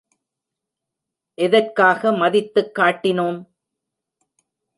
எதற்காக மதித்துக் காட்டினோம்?